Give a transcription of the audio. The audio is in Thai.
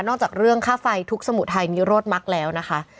จากเรื่องค่าไฟทุกสมุดไทยมีรถมักแล้วนะคะ